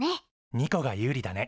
ニコが有利だね。